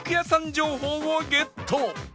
情報をゲット